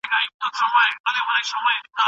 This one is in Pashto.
بايد د تلپاتي ژوند لپاره تياری ونيسو.